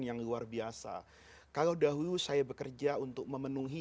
yang kedua semua diwajibannya dengan